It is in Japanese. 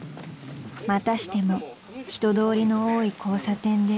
［またしても人通りの多い交差点で］